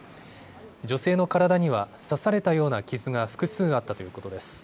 女性の体には刺されたような傷が複数あったということです。